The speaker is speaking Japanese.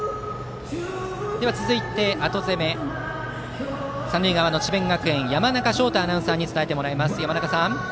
続いて、後攻め三塁側の智弁学園山中翔太アナウンサーに伝えてもらいます。